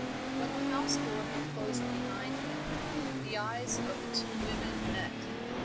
When the house door had closed behind him, the eyes of the two women met.